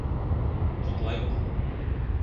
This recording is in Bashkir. Ҡотлайбыҙ!